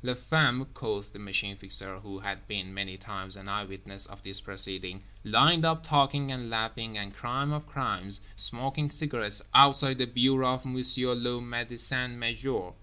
Les femmes, quoth the Machine Fixer, who had been many times an eye witness of this proceeding, lined up talking and laughing and—crime of crimes—smoking cigarettes, outside the bureau of M. le Médecin Major.